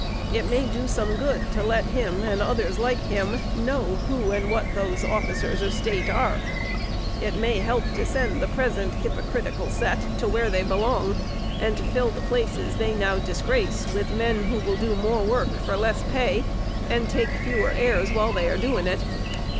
It may do some good to let him, and others like him, know who and what those officers of State are. It may help to send the present hypocritical set to where they belong, and to fill the places they now disgrace with men who will do more work for less pay, and take a fewer airs while they are doing it.